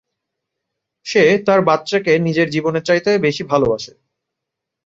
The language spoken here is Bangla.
সে তার বাচ্চাকে নিজের জীবনের চাইতে বেশি ভালোবাসে।